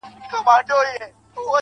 تر دې نو بله ښه غزله کتابي چیري ده.